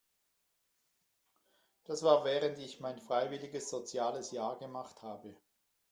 Das war während ich mein freiwilliges soziales Jahr gemacht habe.